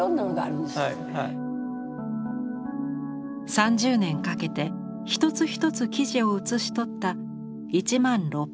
３０年かけて一つ一つ記事を写し取った１万６００個のレンガ。